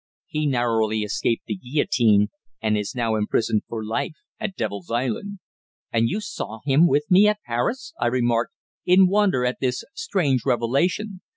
"He narrowly escaped the guillotine, and is now imprisoned for life at Devil's Island." "And you saw him with me at Paris?" I remarked, in wonder at this strange revelation.